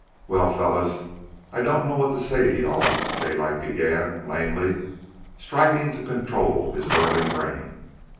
"Well, fellows, I don't know what to say to you all," Daylight began lamely, striving still to control his whirling brain.